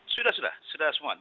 sudah sudah sudah semua